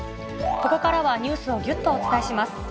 ここからはニュースをぎゅっとお伝えします。